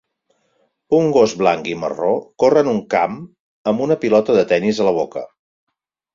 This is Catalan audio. Un gos blanc i marró corre en un camp amb una pilota de tenis a la boca